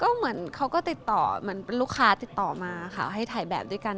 ก็เหมือนเค้าก็ติดต่อมันลูกค้าติดต่อมาค่ะว่าให้ถ่ายแบบด้วยกัน